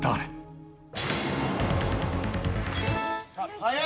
早い！